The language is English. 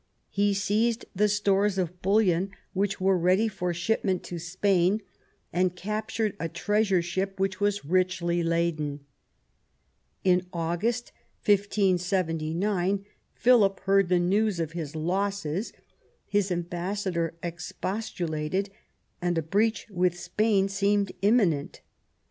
He seized the stores of bullion which were ready for shipment to Spain, and captured a treasure ship which was richly laden. In August, 1579, Philip heard the 2o6 QUEEN ELIZABETH, news of his losses. His ambassador expostulated, and a breach with Spain seemed imminent.